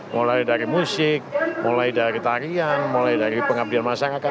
mulai dari musik mulai dari tarian mulai dari pengabdian masyarakat